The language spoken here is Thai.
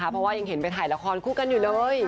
เพราะว่ายังเห็นไปถ่ายละครคู่กันอยู่เลย